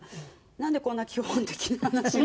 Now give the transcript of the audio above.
なんでこんな基本的な話が。